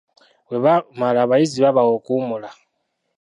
Bwe bamala abayizi babawa okuwummula.